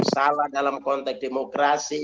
salah dalam konteks demokrasi